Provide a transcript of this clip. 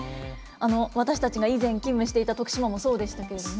私たちが以前、勤務していた徳島もそうでしたけどね。